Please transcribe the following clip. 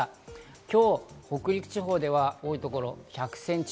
今日、北陸地方では多い所、１００センチ。